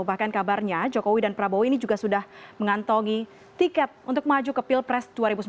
bahkan kabarnya jokowi dan prabowo ini juga sudah mengantongi tiket untuk maju ke pilpres dua ribu sembilan belas